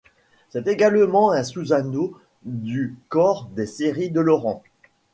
C'est également un sous-anneau du corps des séries de Laurent.